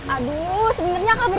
aida pasang terus nyecek apa tadi